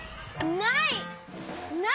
ない！